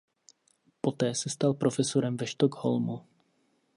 Poté se stal profesorem ve Stockholmu.